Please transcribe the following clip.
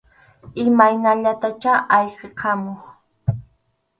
Imaynallatachá ayqikamuq.